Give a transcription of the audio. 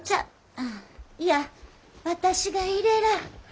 あいや私がいれらあ。